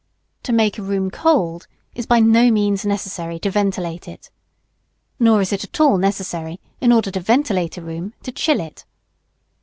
To make a room cold is by no means necessarily to ventilate it. Nor is it at all necessary, in order to ventilate a room, to chill it.